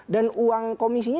dan uang komisinya